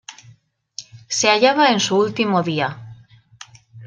Se hallaba en su último día.